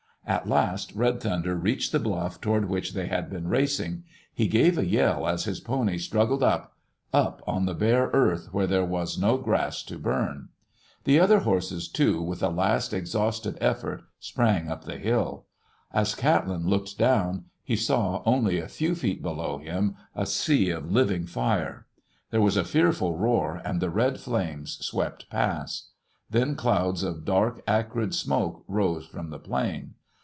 At last Red Thunder reached the bluff toward which tfiey had been racing. He gave a yell as his pony strug gled up — up on the bare earth, where there was no grass to burn. The other horses, too, with a last exhausted effort, sprang up the hill. As Catlin looked down he saw, only a few feet below him, a sea of living fire. There was a fearful roar and the red flames swept past; then clouds of dark, acrid smoke rose from the plain.